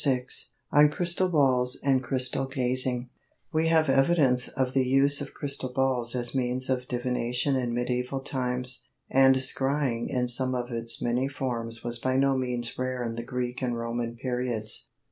VI On Crystal Balls and Crystal Gazing We have evidence of the use of crystal balls as means of divination in medieval times, and "scrying" in some of its many forms was by no means rare in the Greek and Roman periods.